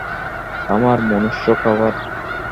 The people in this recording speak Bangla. আমার মনুষ্য খাবার।